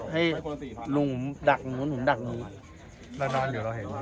ให้หนุ่มดักหนุ่มดักนี้แล้วนอนอยู่เราเห็น